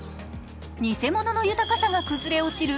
偽物の豊かさが崩れ落ちる